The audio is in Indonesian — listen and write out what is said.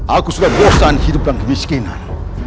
aku sudah bosan hidup dan kemiskinan